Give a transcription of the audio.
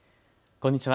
こんにちは。